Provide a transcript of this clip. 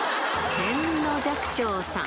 千の寂聴さん。